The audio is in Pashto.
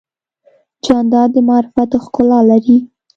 جانداد د معرفت ښکلا لري.